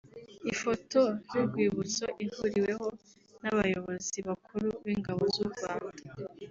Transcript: Ifoto y’urwibutso ihuriweho n’abayozi bakuru b’ingabo z’u Rwanda